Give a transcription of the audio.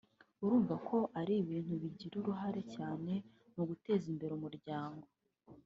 urumva ko ari ibintu bigira uruhare cyane mu guteza imbere umuryango